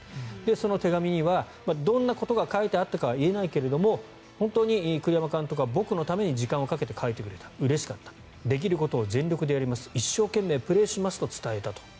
その手紙にはどんなことが書いてあったかは言えないけれども本当に栗山監督は僕のために時間をかけて書いてくれたうれしかったできることを全力でやります一生懸命プレーしますと伝えたと。